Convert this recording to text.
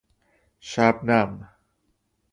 شبنم